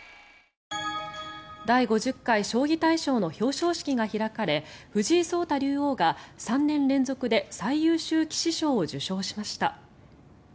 第５０回将棋大賞の表彰式が開かれ藤井聡太竜王が３年連続で最優秀棋士賞を受賞しました。